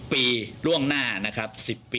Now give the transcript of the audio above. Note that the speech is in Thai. ๑๐ปีล่วงหน้านะครับ